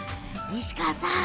西川さん